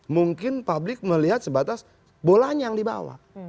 mungkin publik melihat sebatas bolanya yang dibawa